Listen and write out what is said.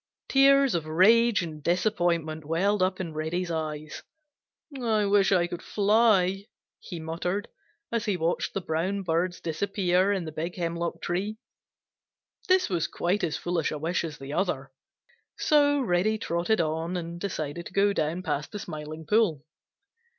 Tears of rage and disappointment welled up in Reddy's eyes. "I wish I could fly," he muttered, as he watched the brown birds disappear in the big hemlock tree. This was quite as foolish a wish as the other, so Reddy trotted on and decided to go down past the Smiling Pool.